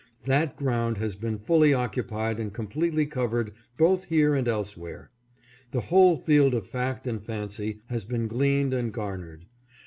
That ground has been fully occupied and completely covered both here and elsewhere. The whole field of fact and fancy has been gleaned and garnered.